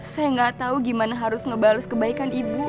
saya gak tahu gimana harus ngebales kebaikan ibu